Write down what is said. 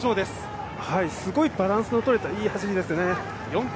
すごいバランスのとれた、いい走りですよね。